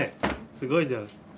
すごいじゃん。